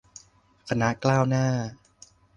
คณะก้าวหน้า